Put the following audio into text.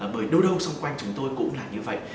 bởi đâu xung quanh chúng tôi cũng là như vậy